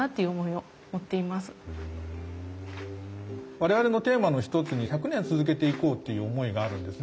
我々のテーマの一つに１００年続けていこうっていう思いがあるんですね。